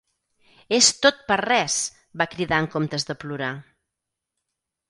"És tot per res!" va cridar en comptes de plorar.